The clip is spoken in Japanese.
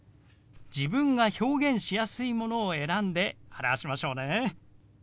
自分が表現しやすいものを選んで表しましょうね。